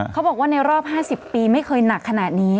เขาบอกว่าในรอบ๕๐ปีไม่เคยหนักขนาดนี้